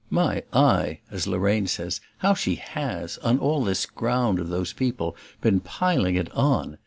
My eye, as Lorraine says, how she HAS, on all this ground of those people, been piling it on!